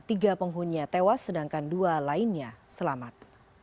tiga penghuninya tewas sedangkan dua lainnya selamat